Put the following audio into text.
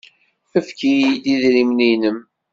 Efk-iyi-d idrimen-nnem.